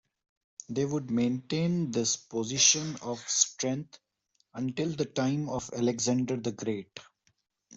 They would maintain this position of strength until the time of Alexander the Great.